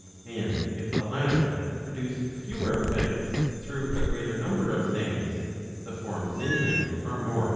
And if the latter produce fewer effects, through a greater number of things, the forms in them are more partial.